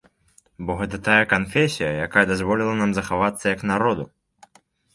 Бо гэта тая канфесія, якая дазволіла нам захавацца, як народу.